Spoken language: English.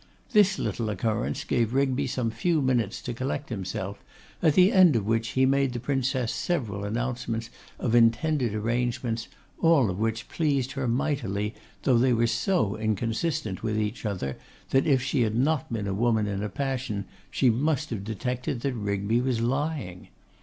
This little occurrence gave Rigby some few minutes to collect himself, at the end of which he made the Princess several announcements of intended arrangements, all of which pleased her mightily, though they were so inconsistent with each other, that if she had not been a woman in a passion, she must have detected that Rigby was lying.